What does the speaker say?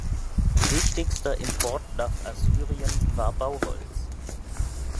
Wichtigster Import nach Assyrien war Bauholz.